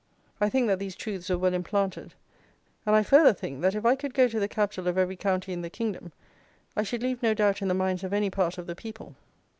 I think that these truths were well implanted; and I further think that if I could go to the capital of every county in the kingdom, I should leave no doubt in the minds of any part of the people.